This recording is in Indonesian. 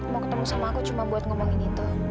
mau ketemu sama aku cuma buat ngomongin itu